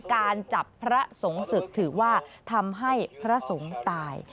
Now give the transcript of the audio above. การจับพระสงฆ์ศึกถือว่าทำให้พระสงฆ์ตาย